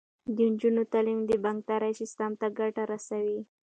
د نجونو تعلیم د بانکدارۍ سیستم ته ګټه رسوي.